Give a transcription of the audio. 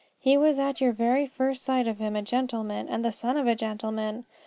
He was at your very first sight of him a gentleman and the son of a gentleman.